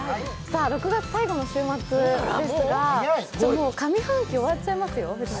６月最後の週末ですがもう上半期終わっちゃいますよ。